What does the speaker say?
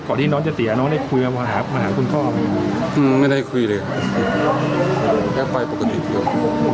ก่อนที่น้องจะเสียน้องได้คุยมามาหาคุณพ่ออืมไม่ได้คุยเลยแค่ไปปกติเดี๋ยว